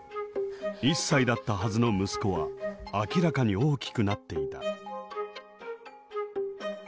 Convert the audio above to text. １歳だったはずの息子は明らかに大きくなっていた。